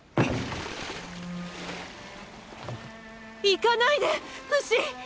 行かないでフシ！